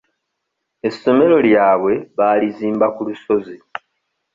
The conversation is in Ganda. Essomero lyabwe baalizimba ku lusozi.